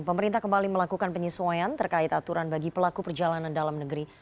pemerintah kembali melakukan penyesuaian terkait aturan bagi pelaku perjalanan dalam negeri